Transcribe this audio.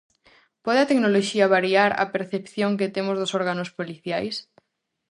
Pode a tecnoloxía variar a percepción que temos dos órganos policiais?